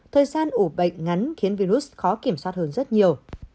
thời gian ủ bệnh ngắn khiến virus khó kiểm soát hơn rất nhiều